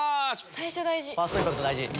最初大事！